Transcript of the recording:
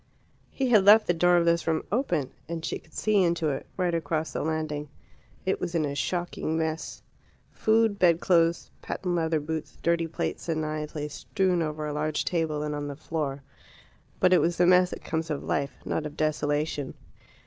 He had left the door of this room open, and she could see into it, right across the landing. It was in a shocking mess. Food, bedclothes, patent leather boots, dirty plates, and knives lay strewn over a large table and on the floor. But it was the mess that comes of life, not of desolation.